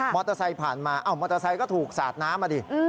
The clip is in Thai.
มอเตอร์ไซค์ผ่านมาอ้าวมอเตอร์ไซค์ก็ถูกสาดน้ำอ่ะดิ